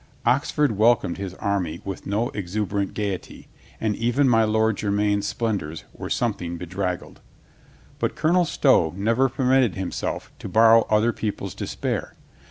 Oxford welcomed his army with no exuberant gaiety, and even my Lord Jermyn's splendors were something bedraggled. But Colonel Stow never permitted himself to borrow other people's despair.